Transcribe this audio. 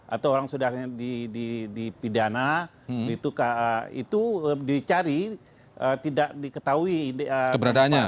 atau orang sudah dipidana itu dicari tidak diketahui beradanya